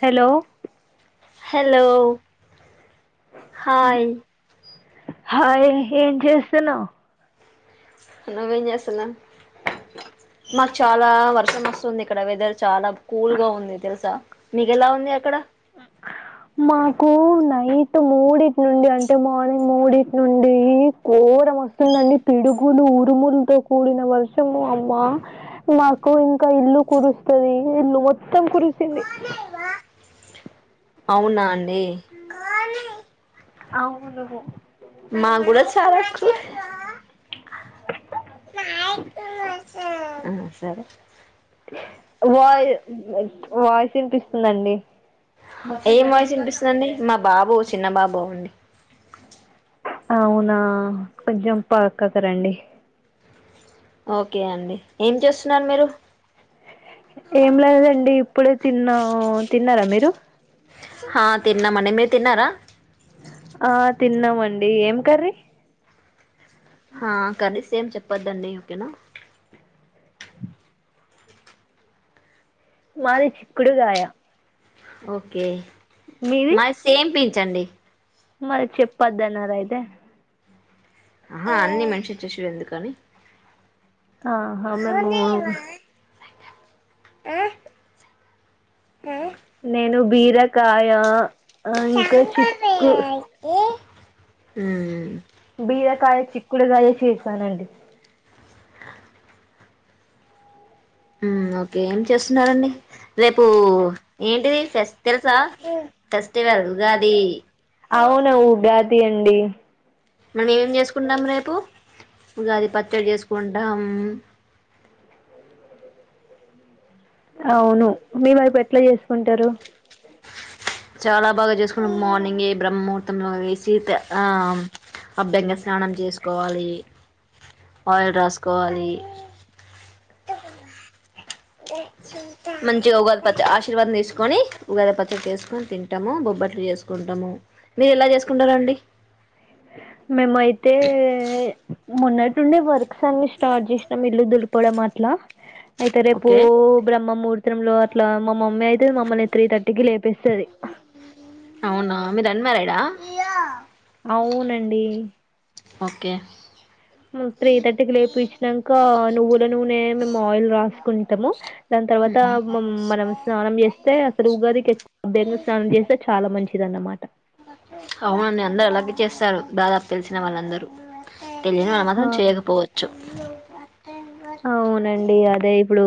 Hello hello hi hi ఏం చేస్తున్నావు నువ్వేం చేస్తున్నావ్ మాకు చాలా వర్షం వస్తుంది ఇక్కడ వెదర్ చాలా కూల్ గా ఉంది తెలుసా మీకు ఎలా ఉంది అక్కడ మాకు నైట్ మూడిటి నుండి అంటే మార్నింగ్ మూడిటి నుండి ఘోరం వస్తుందండి పిడుగులు ఉరుములతో కూడిన వర్షము అమ్మ మాకు ఇంకా ఇల్లు కురుస్తుంది ఇల్లు మొత్తం కురిసింది అవునా అండి అవును మా కూడా చాలాక్కువ ఆ సరే [unintelligible] వాయిస్ వినిపిస్తుందండి ఏం వాయిసు ఇనిపిస్తుందండి మా బాబు చిన్న బాబు అండి అవునా కొంచెం పక్కకి రండి ఓకే అండి ఏం చేస్తున్నారు మీరు ఏం లేదండి ఇప్పుడే తిన్నము తిన్నారా మీరు హా తిన్నామండి మీరు తిన్నారా ఆ తిన్నామండి ఏం కర్రీ ఆ కానీ సేమ్ చెప్ పదండి ఓకేనా మాది చిక్కుడుగాయా ఓకే మాది సేం పించండి మరి చెప్పద్దన్నార అయితే ఆహా అన్ని మంచి చూశు ఎందుకు కానీ ఆ హా మేము ఊరు హు ఆ నేను ప్ బీరకాయా అయితే మ్మ్ బీరకాయ చిక్కుడుగాయ చేసానండి మ్మ్ ఓకే చేస్తున్నారండి రేపు ఏంటిది ఫెస్ తెలుసా ఫెస్టివల్ ఉగాది అవును ఉగాది అండి మనం ఏం చేసుకుంటం రేపు ఉగాది పచ్చడి చేసుకుంటాం అవును మీ వైపు ఎట్ల చేసుకుంటారు చాలా బాగా చేసుకున్నం మార్నింగ్ ఏ బ్రహ్మహూర్తంలో వేసి ట ఆ అబ్బెంగ స్నానం చేసు కోవళి ఆయిల్ రస్కోవాలి మంచిగ ఉగాది పచ్చ ఆశీర్వాదం తీసుకొని ఉగాది పచ్చడి చేసుకొని తింటాము బొబ్బట్లు చేసుకుంటాము మీరు ఎలా చేసుకుంటారండి మేమయితే మొన్నటి నుండే వర్క్స్ అన్ని స్టార్ట్ చేసినం ఇల్లు దులపడం అట్ల అయితే రేపు ఓకే బ్రహ్మముర్ త్రం లో అట్లా మ మమ్మీ అయితే మమ్మల్ని త్రీ థర్టీకిి లేపెస్తది యా అవునండి ఓకే త్రీ థర్టీకి లేపి ఇచ్చినంక నువ్వుల నూనె మేము ఆయిల్ రాసుకుంటాము దాని తర్వాత మ మనం స్నానం చేస్తే అసలు ఉగాదికి బ్యంగాస్నానం చేస్తే చాలా మంచి ఇదన్న మాట అవునండి అందరు అలాగే చేస్తారు దాదాపు తెలిసిన వాళ్ళందరూ తెలియని ఆ వాళ్లమాత్రం చేయకపోవచ్చు అవునండి అదే ఇప్ ఇప్పుడు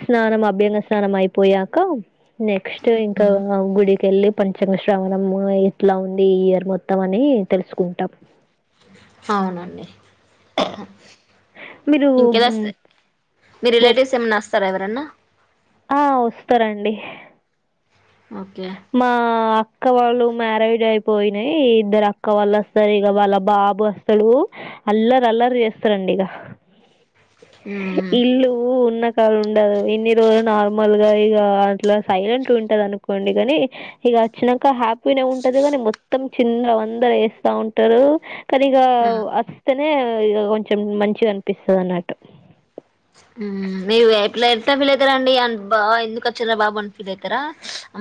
స్నానం అభ్యంగ స్నానం అయిపోయాక నెక్స్ట్ ఇంకా గుడికిెల్లి పంచంగ శ్రావణం ఎట్లా ఉంది ఈ ఇయర్ మొత్తం అని తెలుసుకుంటాం అవునండి మీరు ఇంకేదస్తె మీ బొ రిలేటివ్స్ ఏమన్నాస్తా స్తర ఎవరన్నా ఆ వస్తారండి ఓకే మా అక్క వాళ్ళు మ్యారేడ్ అయిపోయినాయి ఇద్దరు అక్క వాళ్ళు అస్తరు ఇక వాళ్ళ బాబు అస్తాడు అల్లరఅల్లరీ చేస్తారండి ఇగ మ్మ్ ఇళ్లు ఉన్న కాడ ఉండదు ఇన్ని రోజులు నార్మల్ గా ఇగ అట్లా సైలెంట్ ఉంటది అనుకోండి కాని ఇగచ్చినంక హ్యాపీనే ఉంటది గాని మొత్తం చిందర వందర చేస్తా ఉంటరు కనిగా అస్తె తే ఇగ కొంచెం మంచిగా అనిపిస్తది అన్నట్టు మీ వైప్ ల ఎట్లా ఫీల్ అయితరండి అ బ్బా ఎందుకు అచ్చిర్రా బాబు అని ఫీల్ అయితర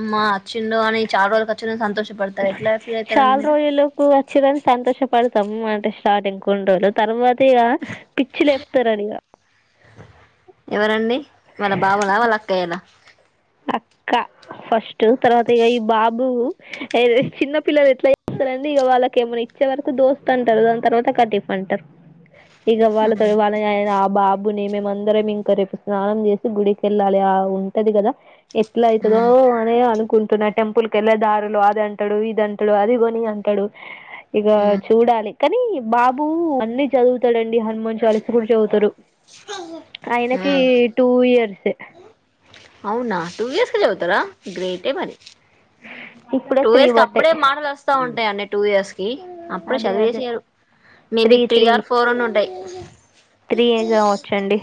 మ్మా అచ్చిండు అని చాల రోజులకచ్చి అని సంతో చాల్ రోజులకు వచ్చిరని సంతోష పడు తమ్ము అంటే స్టార్టింగ్ కొండ్రో రోజులు తర్వా తి గా పిచ్చిలే త్తరడిగ ఎవరండి వాళ్ళ బావలా వాళ్ళ అక్కయ్యలా అక్క ఫస్ట్ తర్వాత ఇక ఈ బాబు ఇదే చిన్న పిల్లలు ఎట్లా చేస్తరండి ఇగ వాళ్ళకి ఏమైన్నా ఇచ్చే వరకు దోస్తు అంటారు దాని తర్వాత కటిఫ్ అంటరు ఇగ వాళ్ళ తో వాళ ఆయన అ బా బు ని మేమందరం ఇంక రేపు స్నానం చేసి గుడికిెళ్ళాలే ఆ ఉంటది కదా ఎట్లాయితుదో హ్మ్ అనే అను కుంటున్నా టెంపుల్ కెళ్ళే దారులు అది అంటాడు ఇదంటాడు అది కొని అంటాడు ఇక హ్మ్ చూడాలి కానీ బాబు అన్ని చదువుతాదండి హనుమన్ చాలీసా కూడా చదువుతాడు ఆయనకి హ్మ్ టూ ఇయర్స్ అవునా టూ ఇయర్స్ కే చదువుతాడా గ్రేటే మరి ఇప్పుడే టూ త్రీ ఇయర్స్ కి అప్పుడే బడ్డాయి మాటలు వస్తా ఉంటాయి అండి టూ ఇయర్స్ కి అప్పుడే అదే అదే చదివేసారు మేబి త్రీ ఆర్ ఫోర్ అయినా ఉంటాయి త్రీ కావచ్చండి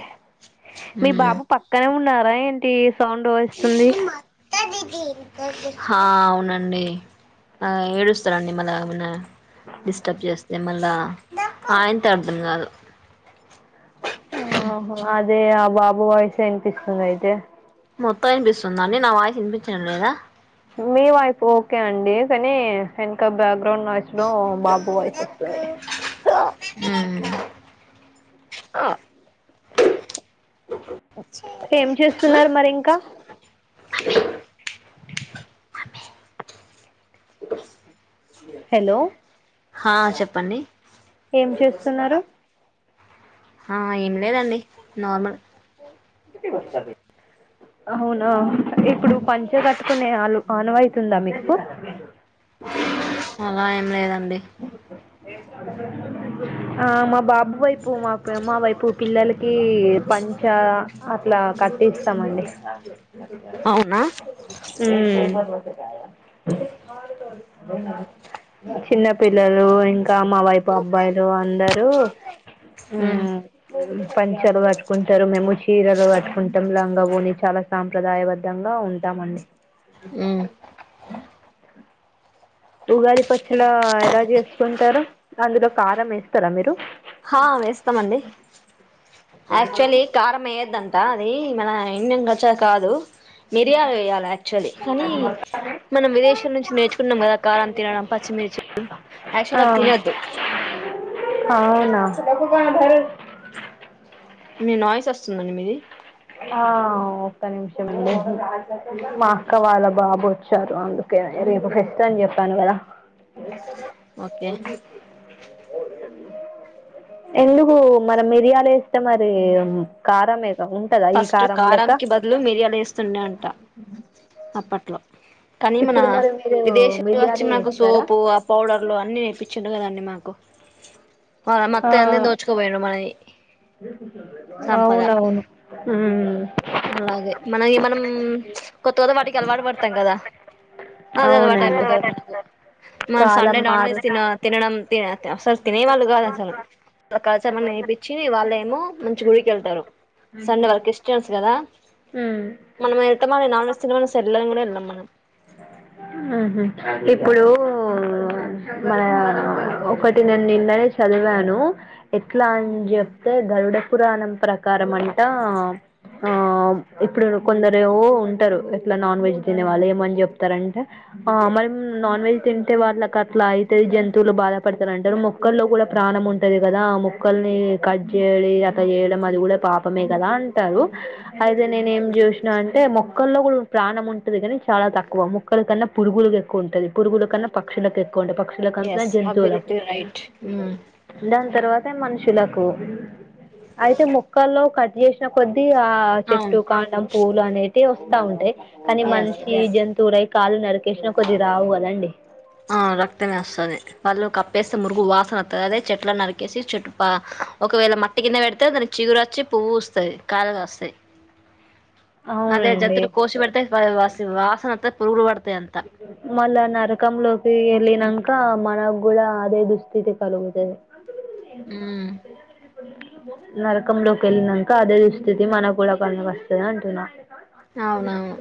రావేంటి సౌండ్ వస్తుంది ఆ అవునండి ఆ ఏడుస్తారండి మళ్ళా ఏమనా డిస్టర్బ్ చేస్తే మళ్ళా ఆయనకే అర్థం కాదు ఆహో అదే బాబు వాయిస్ వినిపిస్తుంది అయితే మొత్తం వినిపిస్తుందా అండి నా వాయిస్ వినిపించడం లేదా మీ వాయిస్ ఓకే అండి కానీ వెనక బ్యాగ్ గ్రౌండ్ లో బాబు వాయిస్ వస్తది మ్మ్ ఆ ఏం చేస్తున్నారు మరి ఇంకా హలో హా చెప్పండి ఏం చేస్తున్నారు ఆ ఏమి లేదండి నార్మల్ ఇది వస్తది అవునా ఇప్పుడు పంచ కట్టుకునే వాళ్ళు ఆన్ అవుతుందా మీకు అలా ఏం లేదండి ఆ మా బాబు వైపు మా మా వైపు పిల్లలకి పంచ అట్లా కట్టిస్తామండి అవునా ఉమ్ చిన్న పిల్లలు ఇంకా మా వైపు అబ్బాయి అందరూ ఆ మ్మ్, పంచలు కట్టుకుంటారు మేము చీరలు కట్టుకుంటాం లాంగా ఓని చాలా సాంప్రదాయబద్దంగా ఉంటామండి మ్మ్ ఉగాది పచ్చల ఎలా చేసుకుంటారో అందులో కారం వేస్తారా మీరు ఆ వేస్తామండి యాక్చువల్లీ కారం వేయ్యద్దంట అది మన ఇం చ్చా కాదు మిరియాలు వేయాలి యాక్చువల్లీ కానీ మనం విదేశాల నుంచి నేర్చుకున్నాం కదా కారం తినడం పచ్చిమిర్చి ఆ, యాక్చువల్లీ అవి తినొద్దు అవునా మీ వాయిస్ వస్తుందండి మీది ఆ ఒక్క నిమిషం అండి మా అక్క వాళ్ళ బాబు వచ్చారు అందుకే రేపు ఫెస్ట్ అని చెప్పాను కదా ఓకే ఎందుకు మన మిరియాలు వేస్తే మరి కారం మేక ఉంటదా ఈ ఫస్ట్ కారం కి బదులు మిరియాలు వేస్తుండే అంట అప్పట్ కానీ మన ఇప్పుడు మరి మీరు విదేశీలు వచ్చి మిరియాలే మనకు వేస్తారా సోపు ఆ పౌడర్లు అన్ని నేర్పించిండు కదండి. మాకు ఆ మొత్తం అన్ని దోచుకుపోయిండ్రు మనవి అవునవును ఉ ఉ అలాగే మనయి మనం కొత్తోజ వాటికి అలవాటు పడతాం కదా. అదే అలవాటు అవునండి అయిపోతది. మనకు మన కాలం సండే నాన్ వెజ్ మారు తిన తినడం తిన అసలు తినే వాళ్ళు గాదు అసలు కలచమని నేపించి వాళ్ళ ఏమో మంచి గుడికిళ్తారు సండే వాళ్ళ క్రిస్టియన్స్ కదా ఉమ్ మనం వెళ్తామని నాన్ వెజ్ తినమని సల్లేని కూడా వెళ్ళాం మనం. ఓ మన ఒకటి నేను నిన్ననే చదివాను. ఎట్లా అని చెప్తే గరుడ పురాణం ప్రకారం అంటా ఆ ఇప్పుడు కొందరు ఏవో ఉంటరు. ఎట్లా నాన్ వెజ్ తినే వాళ్ళు ఏమని చెప్తారంటే, ఆ మనం నాన్ వెజ్ తింటే వాళ్ళకి అట్లా అయితయి. జంతువులు బాధపడతారు అంటరు. మొక్కల్లో కూడా ప్రాణం ఉంటది కదా. మొక్కల్ని కట్ జేయలి అట్ట చేయడం. అది కూడా పాపమే కదా అంటారు. అయితే నేను ఏం జూసినా అంటే మొక్కల్లో కూడా ప్రాణం ఉంటది కాని, చాలా తక్కువ. మొక్కల కన్నా పురుగులకి ఎక్కువ ఉంటది. పురుగుల కన్నా పక్షులకు ఎక్కువ కుంట పక్షులకు అంత ఎస్ జంతువులకు అబ్జల్యూట్లీ రైట్ మ్మ్ దాని తర్వాత మనుషులకు అయితే మొక్కల్లో కట్ చేసిన కొద్దీ ఆ చెట్టు అవును కాండం పూ అనేటివి వస్తా ఉంటయ్ కానీ ఎస్ మనిషి ఎస్ జంతువు రై కాళ్ళు నరికేసినా కొద్ది రావాలండి ఆ అట్టనే వస్తాది వాళ్ళు కప్ మురుగు వాసన వత్తది. చెట్లను నరికేసి చెట్టు ఒకవేళ మట్టి కింద పెడితే, దానికి చిగురోచ్చి పువ్వు వస్తది. కాయలు కాస్తాయి. అదే అవునండి జంతులు కోశి బెడతే వా వాసన వాసన వత్తది పురుగులు పడ మళ్ళ నరకం లో ఎల్లినంక మనకు కూడా అదే దుస్థితి కలుగుతది ఉమ్ నరకంలోకి వెళ్ళినంక అదే దుస్థితి మనకు కూడా వస్తది అంటున్నా అవునవును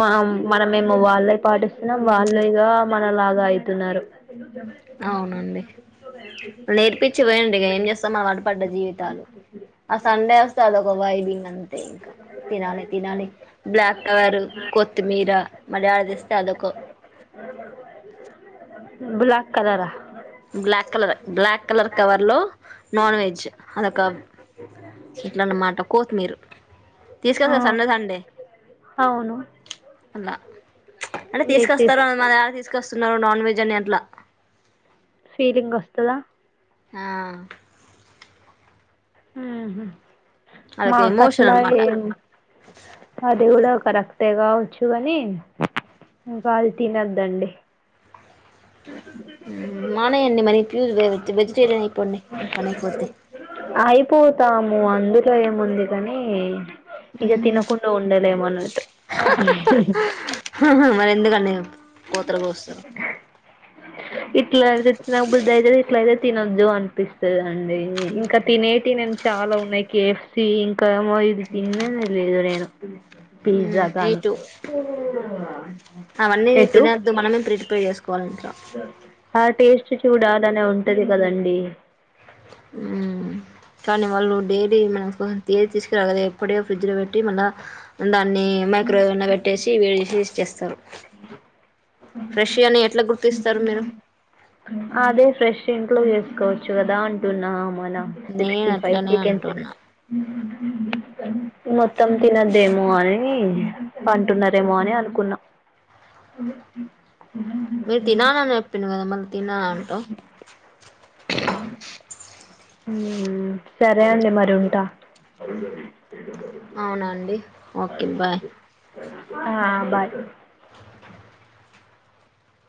మామ్ మన మేమో వాళ్ళకి పాటిస్తున్నాం వాళ్ళేగా మనలాగా అయితున్నరు అవునండి నేర్పించి పోయండి. ఇక ఏం చేస్తాం అలవాటు పడ్డ జీవితాలు ఆ సండే వస్తది. ఒక వైబ్ తిన్నాను ఇంకా తినాలి తినాలి బ్లాక్ కలర్ కొత్తిమీర మళ్ళీ యాదితెస్తే ఆది ఒకో బ్లాక్ కలరా బ్లాక్ కలర్ బ్లాక్ కలర్ కవర్లో నాన్ వెజ్ అదొక ఇట్లాన్నమాట కొత్మీరు ఆ తీసుకోస్తా సండే సండే అవును అలా అంటే మీకు తీసు తీసుకొస్తారా మా డాడీ తీసుకు తీసుకొస్తున్నావ్ నాన్ వెజ్ అని అట్లా ఫీలింగ్ వస్తదా ఆ ఉహు అదొక మాకట్ల ఎమోషన్ అనమాట ఏం అది కూడా కరెక్టే కావచ్చు కాని ఇంకా అది తినద్దండి ఉ మానేయ్ అండి మరీ ప్యూర్ వేజ్ వెజిటేరియన్ ఇపొండి నీ పనైపొద్ది అయిపోతాము అందులో ఏముంది కాని ఇక తినకుండ ఉండలేము అన్నట్టు లెవ్ కోతలుకోస్తారు ఇట్లా అయితే తినబుద్దయితది ఇట్లయితే తినొద్దు అనిపిస్తుందిండి ఇంకా తినే తినేమి చాలా ఉన్నాయి కేఎఫ్సి ఇంకా ఏమో ఇది తినలేదు నేను ఉ పిజ్జా కానీ నైటు అవన్నీ ఎటు తినద్దు మనమే ప్రిపేర్ చేస్ ఆ టేస్ట్ చూడాలనే ఉంటది కదండి ఊ కానీ వాళ్ళు డైలీ మనం చేసి తీసుకురారు కదా ఎప్పుడో ఫ్రిడ్జ్ లో పెట్టి మళ్ళా అన్ని మైక్రోవేవ్ పెట్టేసి వేడి చేసి ఇచ్చేస్తా తరు ప్రాష్ వే అని ఎట్లా గుర్తిస్తారు మీరు అదే ఫ్రెష్ ఇంట్లో చేసుకోవచ్చు కదా అంటున్నా మనం నేను సిక్స్టీ ఫైవ్ అట్లనే చికెన్ అంటున్నా సిక్స్టీ మొత్తం తినద్దేమో అని అంటున్నారేమో అని అనుకున్నాం మీరు తినాలి అని చెప్పిండు కదా మళ్ళీ తినదు అంట బ ఉ సరే అండి మరి ఉంటా అవునండి ఓకే అదే బాయ్ [unintelligible] ఆ బాయ్